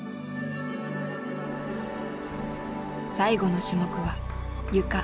最後の種目はゆか。